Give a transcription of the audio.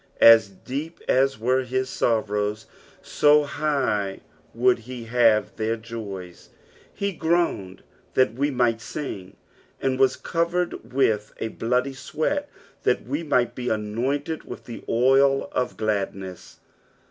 As deep as were his sorrows, so high would he have their joys. He groaned that we might sing, and was covered with Jl bloody sweat that we might ho anointed with the oil of gladness.